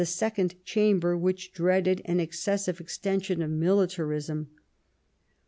^^^ Second Chamber, which dreaded an excessive extension of militarism.